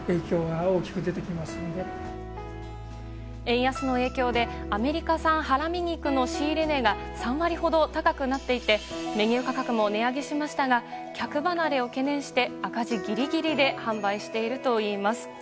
円安の影響でアメリカ産ハラミ肉の仕入れ値が３割ほど高くなっていてメニュー価格も値上げしましたが客離れを懸念して赤字ギリギリで販売しているといいます。